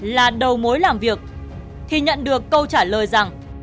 là đầu mối làm việc thì nhận được câu trả lời rằng